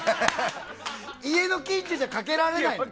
家の近所じゃかけられないの。